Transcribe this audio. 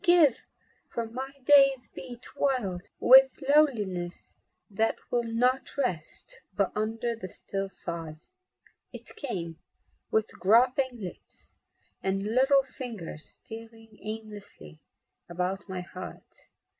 "Give, for my days beat wild With loneliness that will not rest But under the still sod!" It came with groping lips And little fingers stealing aimlessly About my heart.